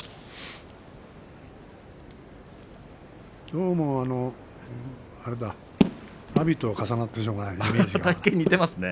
どうも、あれだ阿炎と重なってしょうがない体型が。